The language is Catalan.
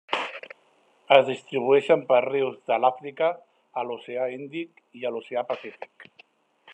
Es distribueixen per rius de l'Àfrica, a l'oceà Índic i a l'oceà Pacífic.